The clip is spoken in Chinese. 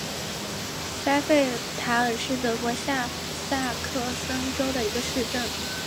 塞费塔尔是德国下萨克森州的一个市镇。